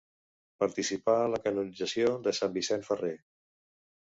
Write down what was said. Participà en la canonització de Sant Vicent Ferrer.